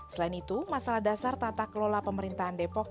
selain itu masalah dasar tata kelola pemerintahan depok